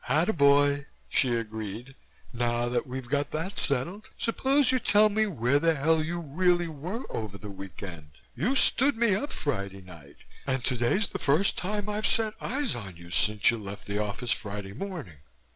"Attaboy!" she agreed. "Now that we've got that settled, suppose you tell me where the hell you really were over the week end. You stood me up Friday night and today's the first time I've set eyes on you since you left the office Friday morning.